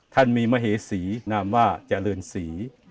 ท่านมีมเหศีนามว่าจิเออเรินสี